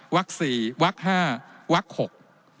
วัก๔วัก๕วัก๖